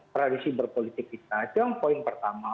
tradisi berpolitik kita itu yang poin pertama